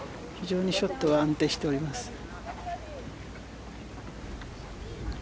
非常にショットが安定しています。